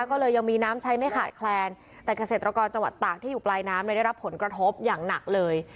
ก็เลยยังมีน้ำใช้ไม่ขาดแคลนแต่เกษตรกรจังหวัดตากที่อยู่ปลายน้ำเนี่ยได้รับผลกระทบอย่างหนักเลย